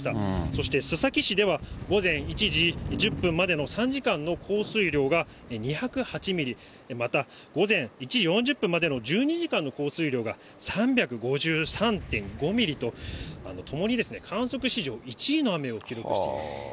そして須崎市では午前１時１０分までの３時間の降水量が２０８ミリ、また午前１時４０分までの１２時間の降水量が３５３．５ミリと、ともに観測史上１位の雨を記録しています。